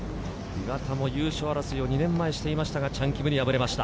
岩田も優勝争いを２年前にしていましたが、チャン・キムに敗れました。